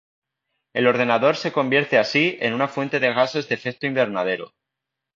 El ordenador se convierte así en una fuente de gases de efecto invernadero.